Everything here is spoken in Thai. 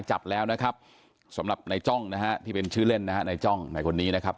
มาจับแล้วนะครับสำหรับนายจ้องที่เป็นชื่อเล่นนายจ้องนายคนนี้นะครับ